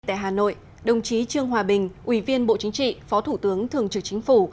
tại hà nội đồng chí trương hòa bình ủy viên bộ chính trị phó thủ tướng thường trực chính phủ